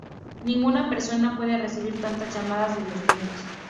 Ninguna persona puede recibir tantas llamadas de los medios".